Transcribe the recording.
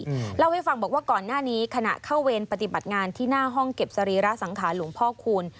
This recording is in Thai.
เล่าให้ฟังบอกว่าก่อนหน้านี้ขณะเข้าเวรปฏิบัติงานที่หน้าห้องเก็บสรีระสังขารหลวงพ่อคูณ